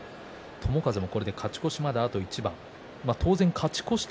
友風は勝ち越しまであと一番です。